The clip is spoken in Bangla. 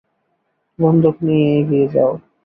বন্দুক নিয়ে এগিয়ে যাও!